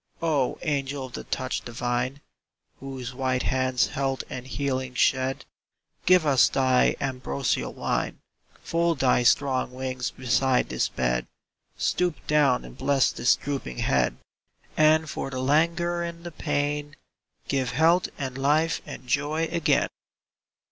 O angel of the touch divine, Whose white hands health and healing shed, Give us of thy ambrosial wine, — Fold thy strong wings beside this bed — Stoop down and bless this drooping head, And for the languor and the pain Give health and life and joy again